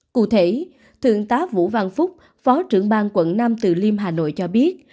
cụ thể thượng tá vũ văn phúc phó trưởng bang quận nam từ liêm hà nội cho biết